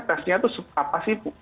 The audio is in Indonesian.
tesnya itu apa sih